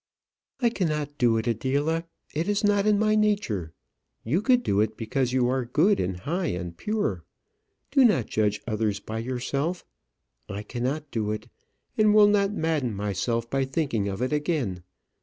"I cannot do it, Adela. It is not in my nature. You could do it, because you are good, and high, and pure. Do not judge others by yourself. I cannot do it, and will not madden myself by thinking of it again.